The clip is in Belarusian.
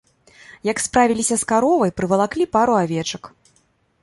Як справіліся з каровай, прывалаклі пару авечак.